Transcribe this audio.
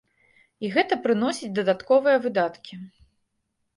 І гэта прыносіць дадатковыя выдаткі.